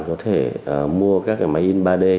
có thể mua các cái máy in ba d